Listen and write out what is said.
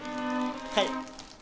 はい。